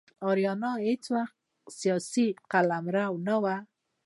آریانا هیڅ وخت سیاسي قلمرو نه و.